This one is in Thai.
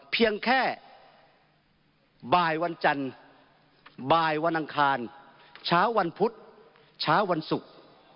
เพียงแค่บ่ายวันจันทร์บ่ายวันอังคารเช้าวันพุธเช้าวันศุกร์